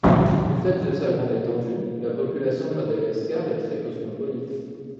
Du fait de sa grande étendue, la population de Madagascar est très cosmopolite.